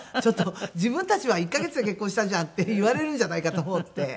「自分たちは１カ月で結婚したじゃん」って言われるんじゃないかと思って。